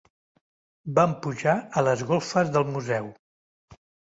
Vam pujar a les golfes del museu.